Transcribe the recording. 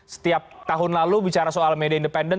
setiap tahun lalu bicara soal media independen